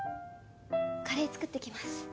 カレー作ってきます。